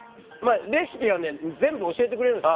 レシピは全部教えてくれるんですよ。